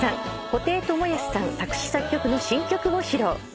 布袋寅泰さん作詞作曲の新曲を披露。